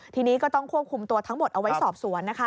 ทีนี้ก็ต้องควบคุมตัวทั้งหมดเอาไว้สอบสวนนะคะ